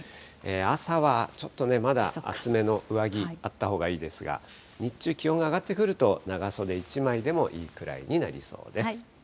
朝はちょっとね、まだ厚めの上着、あったほうがいいですが、日中、気温が上がってくると、長袖１枚でもいいくらいになりそうです。